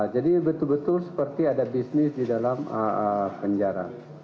jadi betul betul seperti ada bisnis di dalam penjara